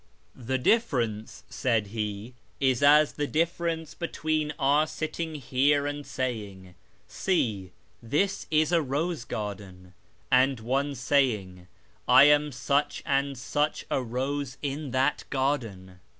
"" The difference," said he, " is as the difference between our sitting here and saying, ' See, this is a rose garden,' and one saying, ' I am such and such a rose in that garden.'